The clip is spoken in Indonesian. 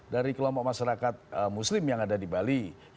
dari kelompok masyarakat muslim yang ada di bali